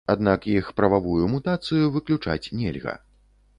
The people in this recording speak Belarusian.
Аднак іх прававую мутацыю выключаць нельга.